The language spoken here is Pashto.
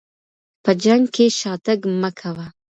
په جنګ کي شاتګ مه کوه.